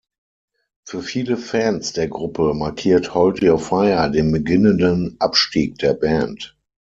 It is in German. Für viele Fans der Gruppe markiert "Hold Your Fire" den beginnenden Abstieg der Band.